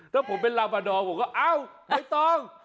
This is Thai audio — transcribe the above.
ถ้าผมเป็นลาบาดอร์ผมก็เอ้าไม่ต้อง